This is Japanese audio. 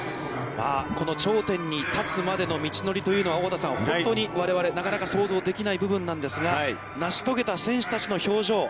まあこの頂点に立つまでの道のりというのは、大畑さん、我々は想像できない部分なんですが、なし遂げた選手たちの表情